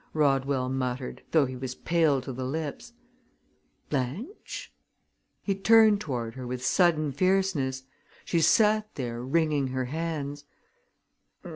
Rodwell muttered, though he was pale to the lips. "Blanche " He turned toward her with sudden fierceness. She sat there, wringing her hands.